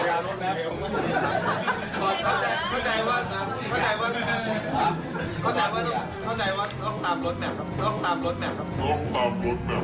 อยากขึ้นตั้งให้เร็วขึ้นเหรอ